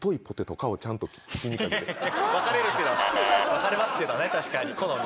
分かれますけどね好み。